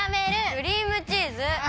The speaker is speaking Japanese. クリームチーズ！